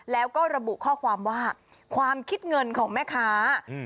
แล้วก็ระบุข้อความว่าความคิดเงินของแม่ค้าอืม